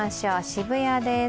渋谷です。